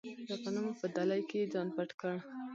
د غنمو په دلۍ کې یې ځان پټ کړ.